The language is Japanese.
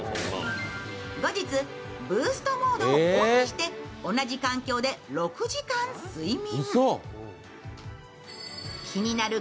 後日、ブーストモードをオンにして同じ環境で６時間睡眠。